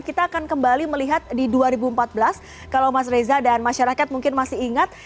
kita akan kembali melihat di dua ribu empat belas kalau mas reza dan masyarakat mungkin masih ingat